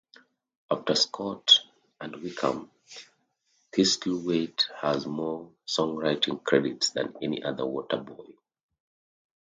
After Scott and Wickham, Thistlethwaite has more songwriting credits than any other Waterboy.